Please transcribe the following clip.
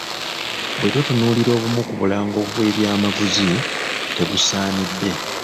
"Bwe tutunuulira obumu ku bulango bw'ebyamaguzi, tebusaanidde."